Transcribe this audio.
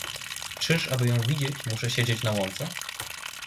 "„Czyż, aby ją widzieć, muszę siedzieć na łące?"